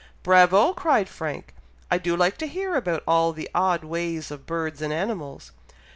"Bravo!" cried Frank. "I do like to hear about all the odd ways of birds and animals!